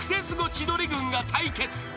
千鳥軍が対決］